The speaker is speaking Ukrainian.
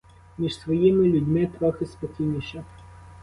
Між своїми людьми трохи спокійніше.